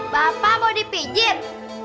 bapak mau dipijit